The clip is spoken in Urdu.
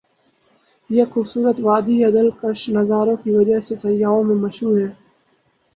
یہ خو بصورت وادی ا دل کش نظاروں کی وجہ سے سیاحوں میں مشہور ہے ۔